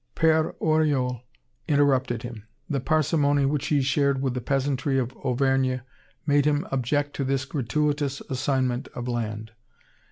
Père Oriol interrupted him. The parsimony which he shared with the peasantry of Auvergne made him object to this gratuitous assignment of land.